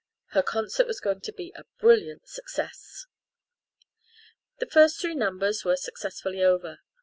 Her concert was going to be a brilliant success. The first three numbers were successfully over.